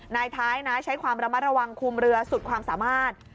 นายท้ายนะใช้ความระมัดระวังคุมเรือสุดความสามารถ